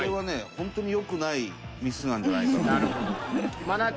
本当によくないミスなんじゃないかと。